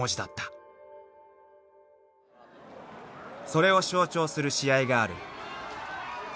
［それを象徴する試合がある］